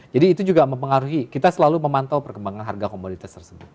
jadi itu juga mempengaruhi kita selalu memantau perkembangan harga komoditas tersebut